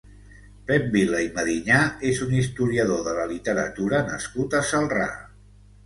Pep Vila i Medinyà és un historiador de la literatura nascut a Celrà.